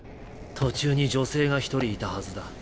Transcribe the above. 途中に女性が一人いたはずだ。